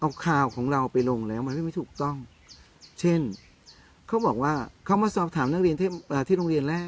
เอาข่าวของเราไปลงแล้วมันก็ไม่ถูกต้องเช่นเขาบอกว่าเขามาสอบถามนักเรียนที่โรงเรียนแรก